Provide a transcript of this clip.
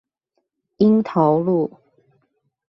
鶯桃路